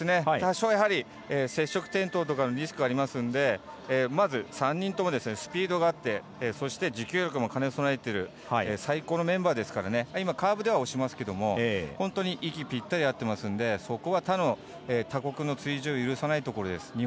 多少、やはり接触転倒とかリスクがありますのでまず、３人ともスピードがあってそして、持久力も兼ね備えてる最高のメンバーですから今、カーブでは押しますけど本当に息ぴったり合ってますので他の他国の追随を許さないところです。